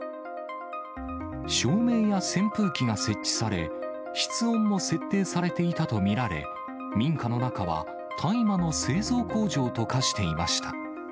照明や扇風機が設置され、室温も設定されていたと見られ、民家の中は大麻の製造工場と化していました。